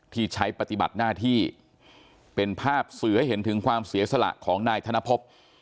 ที่ใช้ปฏิบัติหน้าที่เป็นภาพเสือให้เห็นถึงความเสียสละของนายธนภพ